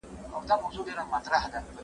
څېړنه باید له هغه ځایه پیل سي چي بل پرېښې وي.